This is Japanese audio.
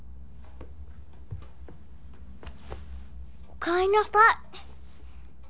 おかえりなさい！